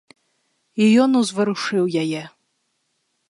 І ён узварушыў яе.